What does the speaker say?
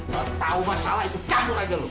kau nggak tau masalah ikut campur aja lu